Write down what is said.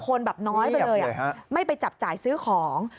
คนแบบน้อยไปเลยไม่ไปจับจ่ายซื้อของ